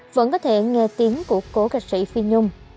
vẫn có thể nghe tiếng của cố ca sĩ phi nhung